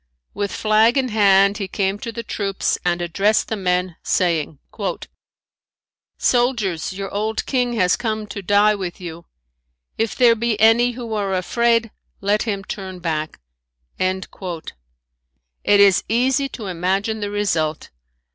With flag in hand he came to the troops and addressed the men saying: "Soldiers, your old king has come to die with you; if there be any who are afraid let him turn back." It is easy to imagine the result.